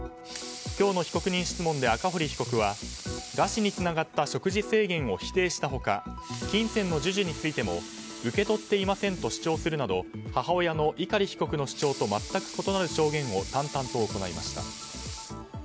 今日の被告人質問で赤堀被告は食事制限を否定した他金銭の授受についても受け取っていませんと主張するなど母親の碇被告の主張と全く異なる証言を淡々と行いました。